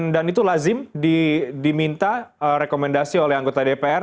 dan itu lazim diminta rekomendasi oleh anggota dpr